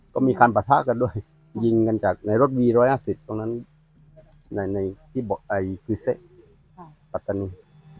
ก็มีการปะทะกันด้วยยิงกันจากในรถวี๑๕๐ตรงนั้นในที่คือเซปัตตานี